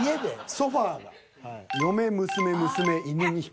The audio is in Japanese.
ソファが嫁娘娘犬２匹。